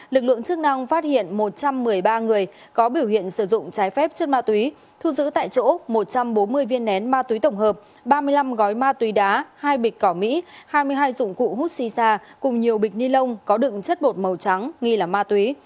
lực lượng chức năng phát hiện một trăm một mươi ba người có biểu hiện sử dụng trái phép chất ma túy thu giữ tại chỗ một trăm bốn mươi viên nén ma túy tổng hợp ba mươi năm gói ma túy đá hai bịch cỏ mỹ hai mươi hai dụng cụ hút xì xa cùng nhiều bịch ni lông có đựng chất bột màu trắng nghi là ma túy